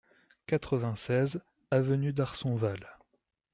quatre-vingt-seize avenue d'Arsonval